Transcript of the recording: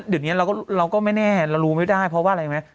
เดี๋ยวนี้เราก็ไม่แน่เรารู้ไม่ได้เพราะว่าอะไรไหม